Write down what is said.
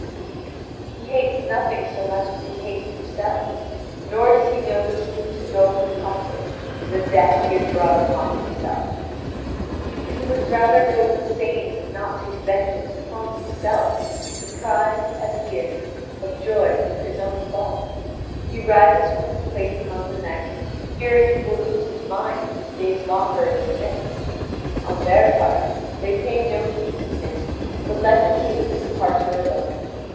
He hates nothing so much as he hates himself, nor does he know to whom to go for comfort in the death he has brought upon himself. But he would rather go insane than not take vengeance upon himself, deprived, as he is, of joy through his own fault. He rises from his place among the knights, fearing he will lose his mind if he stays longer in their midst. On their part, they pay no heed to him, but let him take his departure alone.